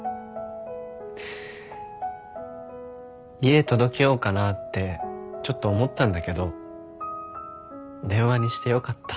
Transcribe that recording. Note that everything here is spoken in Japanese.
家届けようかなってちょっと思ったんだけど電話にしてよかった。